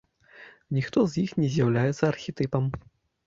Ніхто з іх не з'яўляецца архетыпам.